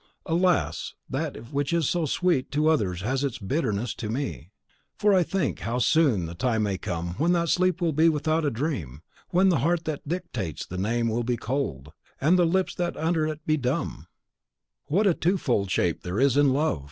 Alas! that which is so sweet to others has its bitterness to me; for I think how soon the time may come when that sleep will be without a dream, when the heart that dictates the name will be cold, and the lips that utter it be dumb. What a twofold shape there is in love!